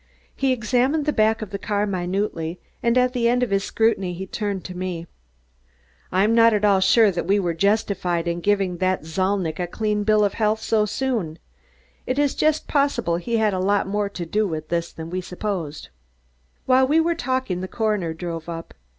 He examined the back of the car minutely, and at the end of his scrutiny he turned to me. "I'm not at all sure that we were justified in giving Zalnitch a clean bill of health so soon. It is just possible he had a lot more to do with this than we supposed." While we were talking the coroner drove up.